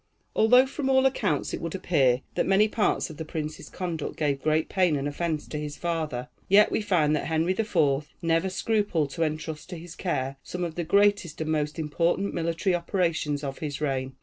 Although from all accounts it would appear that many parts of the prince's conduct gave great pain and offence to his father, yet we find that Henry IV. never scrupled to entrust to his care some of the greatest and most important military operations of his reign.